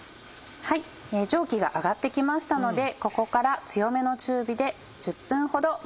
蒸気が上がって来ましたのでここから強めの中火で。